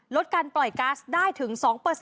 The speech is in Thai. ลดการปล่อยก๊าซได้ถึง๒